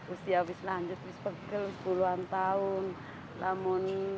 usia wislanjut bis pekil puluhan tahun lamun